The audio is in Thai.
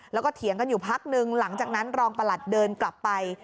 แล้วก็เถียงกันอยู่พักนึงหลังจากนั้นรองประหลัดเดินกลับไป